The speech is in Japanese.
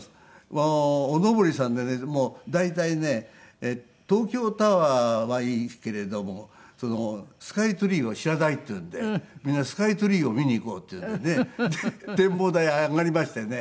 もうお上りさんでね大体ね東京タワーは行くけれどもスカイツリーを知らないっていうんでみんなスカイツリーを見に行こうっていうので展望台へ上がりましてね。